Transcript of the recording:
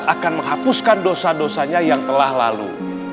akan menghapuskan dosa dosanya yang telah lalu